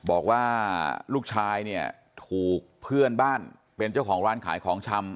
บอกว่าลูกชายเนี่ยถูกเพื่อนบ้านเป็นเจ้าของร้านขายของชำ